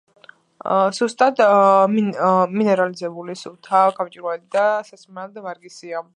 სუსტად მინერალიზებული, სუფთა, გამჭვირვალე და სასმელად ვარგისია.